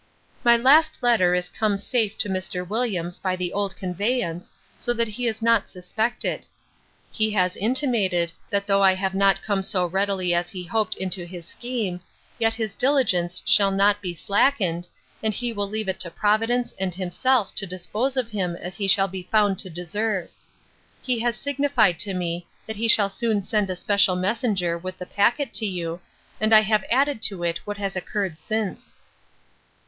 My last letter is come safe to Mr. Williams by the old conveyance, so that he is not suspected. He has intimated, that though I have not come so readily as he hoped into his scheme, yet his diligence shall not be slackened, and he will leave it to Providence and himself to dispose of him as he shall be found to deserve. He has signified to me, that he shall soon send a special messenger with the packet to you, and I have added to it what has occurred since.